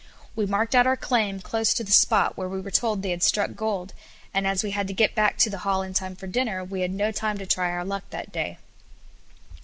We marked out our claim close to the spot where we were told they had struck gold, and as we had to get back to the hall in time for dinner, we had no time to try our luck that day.